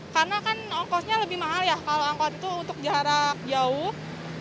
karena kan angkotnya lebih mahal ya kalau angkot itu untuk jarak jauh